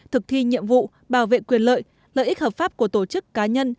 thực thi nhiệm vụ bảo vệ quyền lợi lợi ích hợp pháp của tổ chức cá nhân